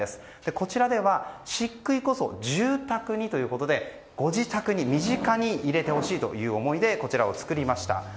こちらでは漆喰こそ住宅にということでご自宅に身近に入れてほしいという思いでこちらを作りました。